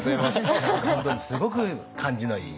本当にすごく感じのいい。